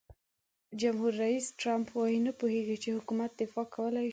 جمهور رئیس ټرمپ وایي نه پوهیږي چې حکومت دفاع کولای شي.